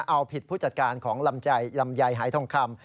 เอาผิดผู้จัดการของลำไยหายทองคำ